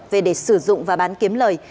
về để sử dụng và bán kiếm lời